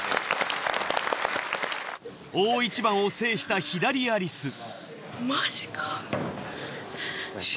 大一番を制したヒダリアリス。